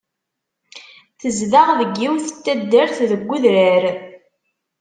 Tezdeɣ deg yiwet n taddart deg udrar.